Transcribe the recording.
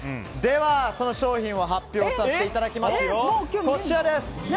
その商品を発表させていただきますよ。